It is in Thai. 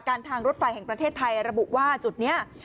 ทางรถไฟแห่งประเทศไทยระบุว่าจุดนี้